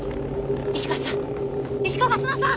石川さん！